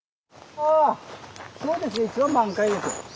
あそうですね一番満開です。